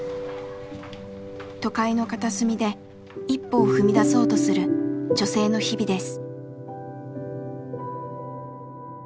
都会の片隅で一歩を踏み出そうとする女性の日々です。